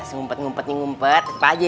sumpet sumpetnya ngumpet apa aja